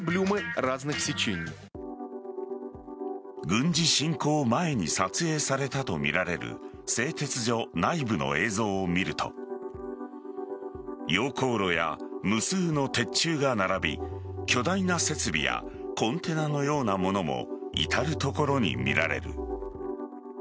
軍事侵攻前に撮影されたとみられる製鉄所内部の映像を見ると溶鉱炉や無数の鉄柱が並び巨大な設備やコンテナのようなものも至る所に見られる。